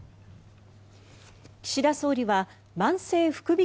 岸田総理は慢性副鼻腔